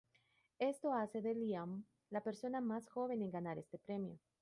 Esto hace de Liam la persona más joven en ganar este premio.